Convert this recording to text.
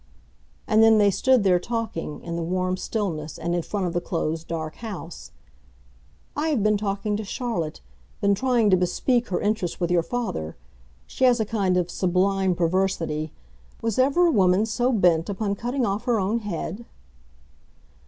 And then they stood there, talking, in the warm stillness and in front of the closed dark house. "I have been talking to Charlotte—been trying to bespeak her interest with your father. She has a kind of sublime perversity; was ever a woman so bent upon cutting off her own head?"